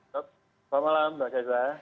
selamat malam mbak cezla